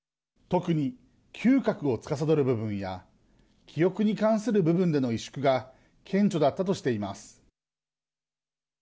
特に嗅覚をつかさどる部分や記憶に関する部分での萎縮が顕著だったとしています。